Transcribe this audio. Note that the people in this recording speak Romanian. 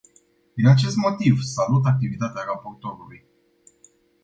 Din acest motiv, salut activitatea raportorului.